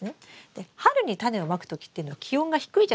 で春にタネをまくときっていうのは気温が低いじゃないですか。